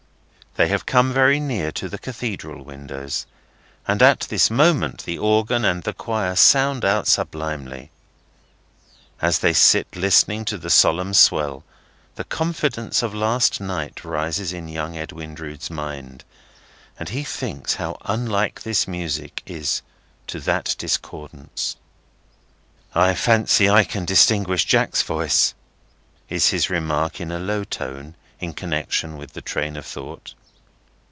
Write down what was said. They have come very near to the Cathedral windows, and at this moment the organ and the choir sound out sublimely. As they sit listening to the solemn swell, the confidence of last night rises in young Edwin Drood's mind, and he thinks how unlike this music is to that discordance. "I fancy I can distinguish Jack's voice," is his remark in a low tone in connection with the train of thought.